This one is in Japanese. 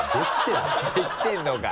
できてるのかい！